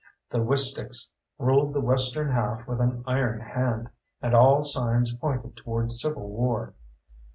The Wisticks ruled the western half with an iron hand, and all signs pointed toward civil war.